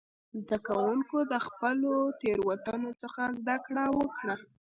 زده کوونکو د خپلو تېروتنو څخه زده کړه وکړه.